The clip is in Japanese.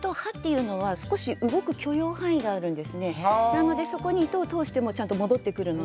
なのでそこに糸を通してもちゃんと戻ってくるので。